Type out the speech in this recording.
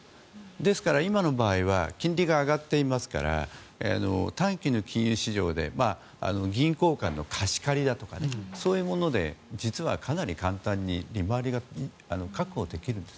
ですから、今の場合は金利が上がっていますから短期の金融市場で銀行間の貸し借りだとかそういうもので実はかなり簡単に利回りが確保できるんです。